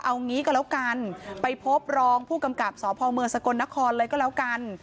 เอางี้ก็แล้วกันไปพบรองผู้กำกับสพเมืองสกลนครเลยก็แล้วกัน